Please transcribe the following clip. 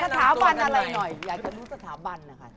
สถาบันอะไรหน่อยอยากจะรู้สถาบันนะคะ